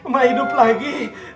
mbak hidup lagi